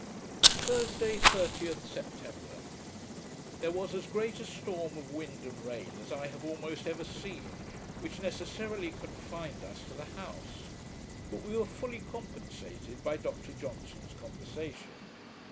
Thursday, 30th September There was as great a storm of wind and rain as I have almost ever seen, which necessarily confined us to the house; but we were fully compensated by Dr Johnson's conversation.